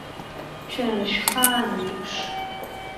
Шәара шәхаан еиԥш.